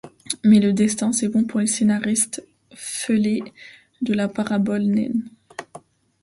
Mais le destin c’est bon pour les scénaristes fêlés de la parabole, naine !